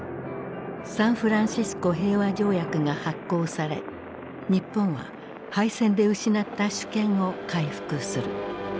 サンフランシスコ平和条約が発効され日本は敗戦で失った主権を回復する。